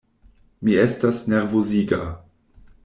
Mi estas nervoziga.